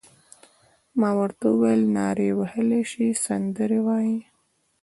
ما ورته وویل: نارې وهلای شې، سندرې وایې؟